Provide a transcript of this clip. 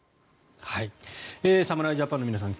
侍ジャパンの皆さん